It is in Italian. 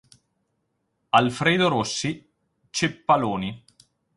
Alfredo Rossi, "Ceppaloni.